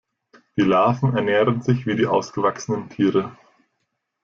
Die Larven ernähren sich wie die ausgewachsenen Tiere.